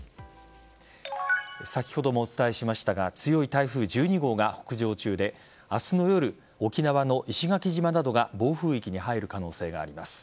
先ほどもお伝えしましたが強い台風１２号が北上中で明日の夜、沖縄の石垣島などが暴風域に入る可能性があります。